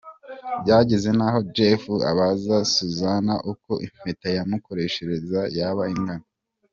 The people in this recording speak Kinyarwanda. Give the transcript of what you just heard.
Byageze n’aho Jeff abaza Susan uko impeta yamukoreshereza yaba ingana.